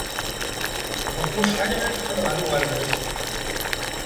Ɣef wacḥal ara teqqel ɣer uɣerbaz?